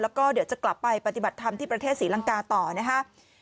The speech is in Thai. แล้วก็เดี๋ยวจะกลับไปปฏิบัติธรรมที่ประเทศศรีลังกาต่อนะฮะ